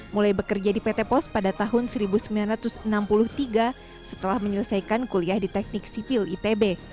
mulai bekerja di pt pos pada tahun seribu sembilan ratus enam puluh tiga setelah menyelesaikan kuliah di teknik sipil itb